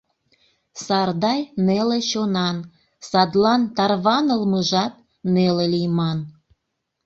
Сардай неле чонан, садлан тарванылмыжат неле лийман.